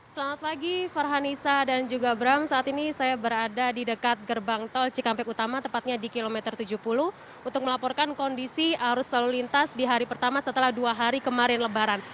selamat pagi farhanisa dan juga bram saat ini saya berada di dekat gerbang tol cikampek utama tepatnya di kilometer tujuh puluh untuk melaporkan kondisi arus lalu lintas di hari pertama setelah dua hari kemarin lebaran